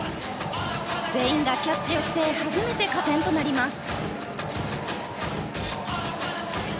全員がキャッチをして初めて加点となります。